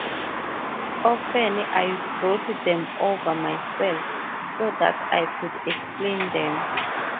Often I brought them over myself, so that I could explain them.